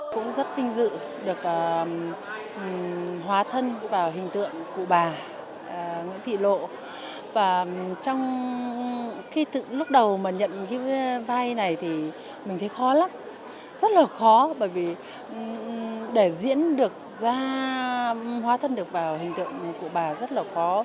cũng rất vinh dự được hóa thân vào hình tượng cụ bà nguyễn thị lộ và trong lúc đầu mà nhận cái vai này thì mình thấy khó lắm rất là khó bởi vì để diễn được ra hóa thân được vào hình tượng cụ bà rất là khó